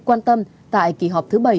quan tâm tại kỳ họp thứ bảy